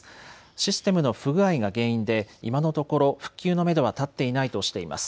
システムの不具合が原因で今のところ復旧のめどは立っていないとしています。